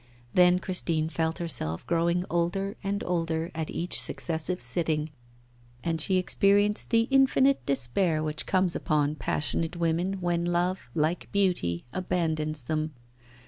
Then Christine felt herself growing older and older at each successive sitting. And she experienced the infinite despair which comes upon passionate women when love, like beauty, abandons them.